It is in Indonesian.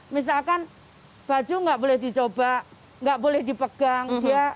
misalkan baju gak boleh di coba gak boleh di pegang